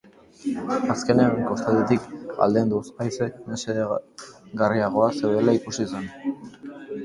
Azkenean, kostaldetik aldenduz, haize mesedegarriagoak zeudela ikusi zen.